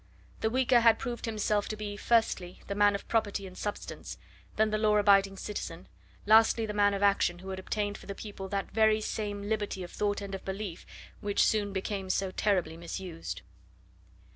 The weaker had proved himself to be, firstly, the man of property and substance, then the law abiding citizen, lastly the man of action who had obtained for the people that very same liberty of thought and of belief which soon became so terribly misused.